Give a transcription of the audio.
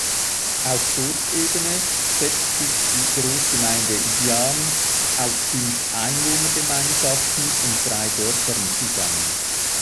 Auf Dorfebene setzt sich die Großgemeinde Yi’an aus fünf Einwohnergemeinschaften und drei Dörfern zusammen.